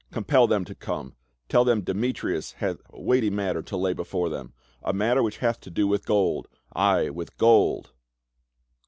Compel them to come. Tell them Demetrius hath a weighty matter to lay before them ; a matter which hath to do with gold — ay, with gold."